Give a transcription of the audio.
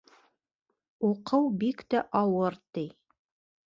Уҡыу бик тә ауыр, ти.